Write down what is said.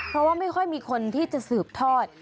เพราะว่าไม่ค่อยมีคนที่จะสืบทอด